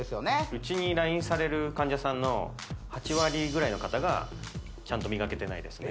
うちに来院される患者さんの８割ぐらいの方がちゃんと磨けてないですね